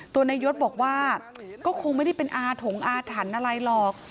ตัวนายยศบอกว่าก็คงไม่ได้เป็นอาถงอาถรรพ์อะไรหรอก